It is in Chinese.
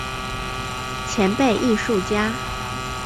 前辈艺术家